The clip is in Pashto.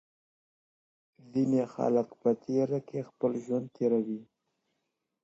ځينو خلګو په تېاره کي خپل ژوند تېراوه.